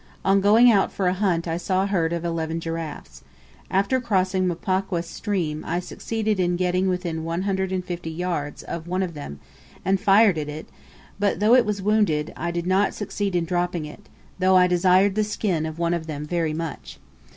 On going out for a hunt I saw a herd of eleven giraffes. After crossing Mpokwa stream I succeeded in getting within one hundred and fifty yards of one of them, and fired at it; but, though it was wounded, I did not succeed in dropping it, though I desired the skin of one of them very much.